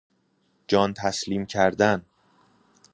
جان تسلیم کردن